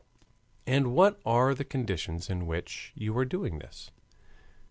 And what are the conditions in which you are doing this?